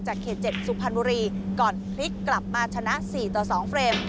เขต๗สุพรรณบุรีก่อนพลิกกลับมาชนะ๔ต่อ๒เฟรม